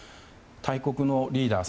大国のリーダー